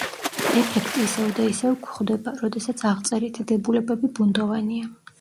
ეფექტი ისევ და ისევ გვხვდება, როდესაც აღწერითი დებულებები ბუნდოვანია.